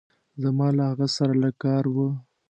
زما له هغه سره لږ کار وه.